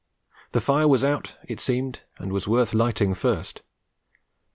The fire was out, it seemed, and was worth lighting first.